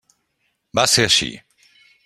Va ser així.